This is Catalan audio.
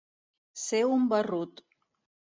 Ser un barrut.